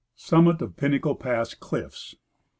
Summit of Pinnacle Pass Cliffs.